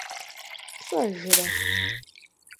ПщӀэжрэ?